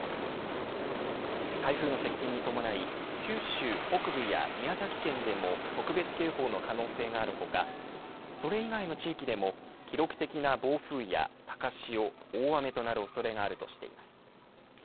台風の接近に伴い九州北部や宮崎県でも特別警報の可能性があるほかそれ以外の地域でも記録的な暴風や高潮大雨となるおそれがあるとしています。